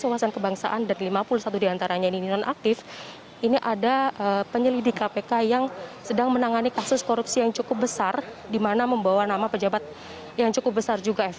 wawasan kebangsaan ini lima puluh satu diantaranya dinyatakan nonaktif dan nantinya akan berhenti dari masa jabatannya